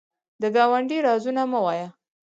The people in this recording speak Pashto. د ګاونډي رازونه مه وایه